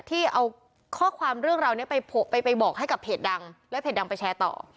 ที่เอาข้อความเรื่องราวนี้ไปบอกให้กับเพจดังแล้วเพจดังไปแชร์ต่อ